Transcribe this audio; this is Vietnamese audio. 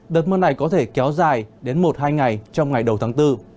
đợt mưa này có thể kéo dài đến một hai ngày trong ngày đầu tháng bốn